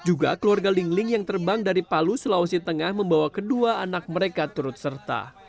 juga keluarga ling ling yang terbang dari palu sulawesi tengah membawa kedua anak mereka turut serta